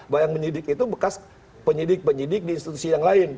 bahwa yang menyidik itu bekas penyidik penyidik di institusi yang lain